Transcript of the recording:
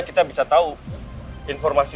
kita bisa tau informasi